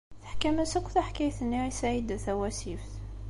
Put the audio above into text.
Teḥkam-as akk taḥkayt-nni i Saɛida Tawasift.